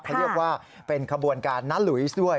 เขาเรียกว่าเป็นขบวนการน้าหลุยด้วย